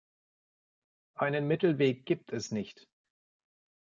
Einen Mittelweg gibt es nicht.